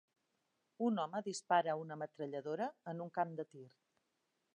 Un home dispara una metralladora en un camp de tir